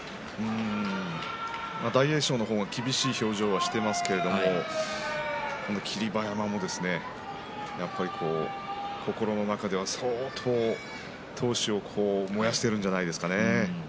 大栄翔の方は厳しい表情をしていますけど霧馬山もですねやっぱり心の中では相当、闘志を燃やしているんじゃないですか。